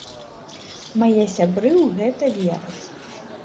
Мае сябры ў гэта вераць.